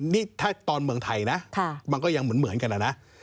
นี่ถ้าตอนเมืองไทยนะมันก็ยังเหมือนกันนะ